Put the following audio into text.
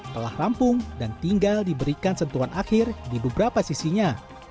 telah rampung dan tinggal diberikan sentuhan akhir di beberapa sisinya